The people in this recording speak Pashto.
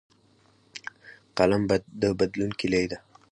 قلم د بدلون کلۍ ده